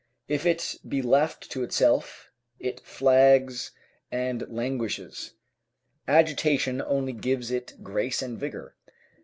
If it be left to itself, it flags and languishes; agitation only gives it grace and vigour.